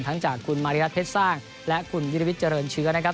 จากคุณมาริรัฐเพชรสร้างและคุณวิรวิทย์เจริญเชื้อนะครับ